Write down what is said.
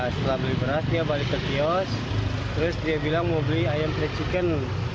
setelah beli beras dia balik ke kios terus dia bilang mau beli ayam free chicken